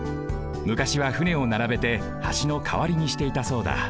むかしは船をならべて橋のかわりにしていたそうだ。